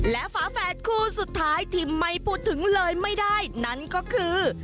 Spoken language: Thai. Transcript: และฝาแฝดคู่สุดท้ายที่ไม่พูดถึงเลยไม่ได้นั่นก็คือ